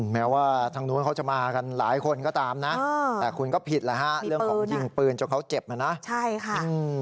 แม้ว่าทางโน้นเขาจะมากันหลายคนก็ตามนะ